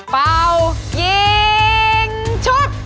ป้าวยิงชุด